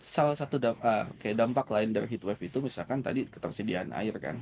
salah satu kayak dampak lain dari heat wave itu misalkan tadi ketersediaan air kan